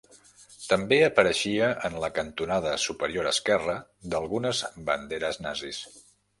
També apareixia en la cantonada superior esquerra d'algunes banderes nazis.